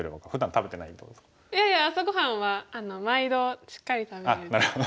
いやいや朝ご飯は毎度しっかり食べる。